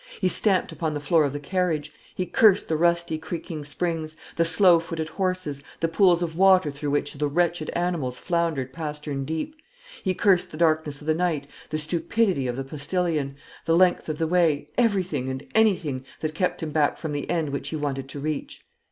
He stamped upon the floor of the carriage. He cursed the rusty, creaking springs, the slow footed horses, the pools of water through which the wretched animals floundered pastern deep. He cursed the darkness of the night, the stupidity of the postillion, the length of the way, everything, and anything, that kept him back from the end which he wanted to reach.